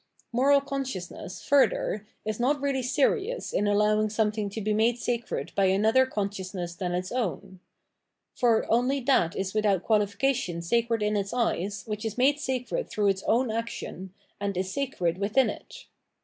Moral consciousness, further, is not really serious in allowing something to be made sacred by another consciousness than its own. For, only that is without quahfication sacred in its eyes which is made sacred through its own action, and is sacred within it.